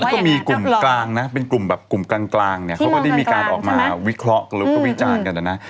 แล้วก็มีกลุ่มกลางเป็นกลุ่มกลังเขาก็ได้มีการออกมาวิเคราะห์แล้วก็วิจารณ์กัน